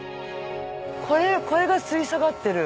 これこれがつり下がってる？